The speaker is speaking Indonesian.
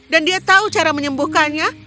dan dia tahu cara menyembuhkannya